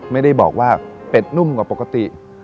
ไม่ได้บอกว่าเป็ดนุ่มกว่าปกติ